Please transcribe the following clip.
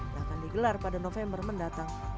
yang akan digelar pada november mendatang